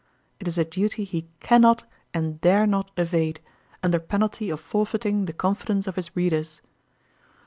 It is a duty lie can not and dare not evade, under penalty of forfeiting the confidence of his readers.